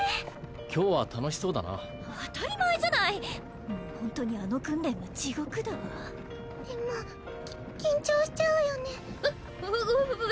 今日は楽しそうだな当たり前じゃないもうホントにあの訓練は地獄だわでもき緊張しちゃうよねわわわ